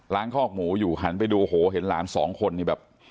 ล้างคอกหมูอยู่หันไปดูเห็นล้างสองคนนี่แบบ